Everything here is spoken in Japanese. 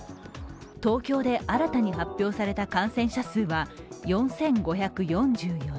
東京で新たに発表された感染者数は４５４４人。